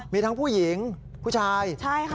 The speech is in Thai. มีทั้งผู้หญิงผู้ชาย